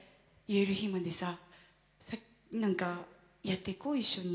何かやっていこう一緒に。